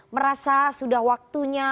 merasa sudah waktunya